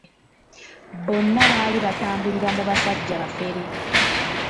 Bonna baali batambulira mu basajja bafere.